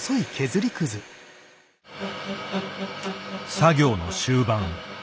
作業の終盤。